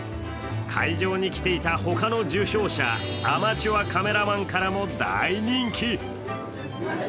会場に来ていた他の受賞者アマチュアカメラマンからも大人気。